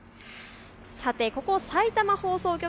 さてここ、さいたま放送局